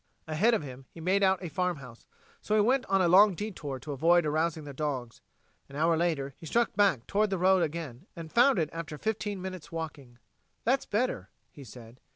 Ahead of him he made out a farmhouse, so he went on a long detour to avoid arousing the dogs. An hour later, he struck back toward the road again, and found it after fifteen minutes' walking. "That's better," he said.